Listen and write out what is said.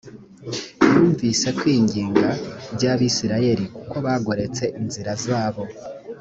yumvise kwinginga by abisirayeli kuko bagoretse inzira zabo